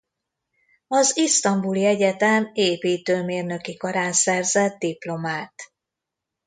Az Isztambuli Egyetem Építőmérnöki Karán szerzett diplomát.